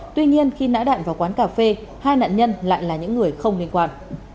tuy nhiên khi nã đạn vào quán cà phê hai nạn nhân lại là những người không liên quan